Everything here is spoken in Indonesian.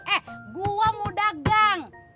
eh gua mau dagang